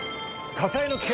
火災の危険！？